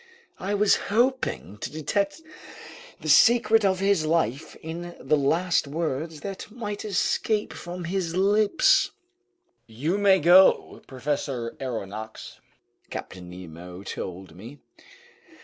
I was hoping to detect the secret of his life in the last words that might escape from his lips! "You may go, Professor Aronnax," Captain Nemo told me.